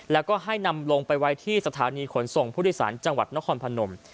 แล้วก็ให้นำลงไปไว้ที่สถานีขนส่งผู้โดยสารจังหวัดนครพนม